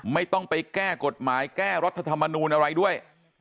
ไม่ต้องไปแก้กฎหมายแก้รัฐธรรมนูลอะไรด้วย